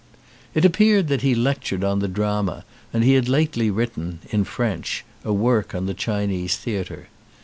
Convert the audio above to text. It appeared that he lectured on the drama and he had lately written, in French, a work on the Chinese theatre.